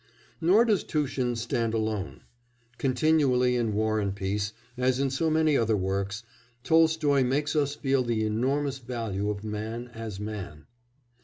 Nor does Tushin stand alone; continually in War and Peace, as in so many other works, Tolstoy makes us feel the enormous value of man as man.